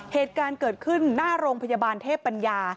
เหตุการณ์เกิดขึ้นหน้าโรงพยาบาลเทพปัญญา